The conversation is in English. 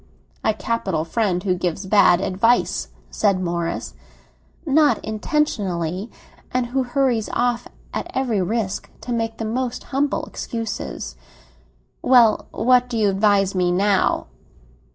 "A capital friend who gives bad advice!" said Morris. "Not intentionally—and who hurries off, at every risk, to make the most humble excuses!" "Well, what do you advise me now?"